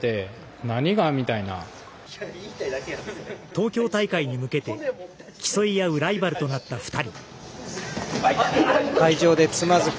東京大会に向けて競い合うライバルとなった２人。